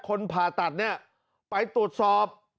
ผ่าตัดเนี่ยไปตรวจสอบ